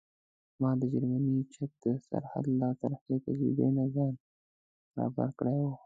ما د جرمني چک د سرحد له ترخې تجربې نه ځان برابر کړی و.